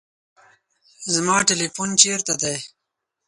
زما تلیفون چیرته دی؟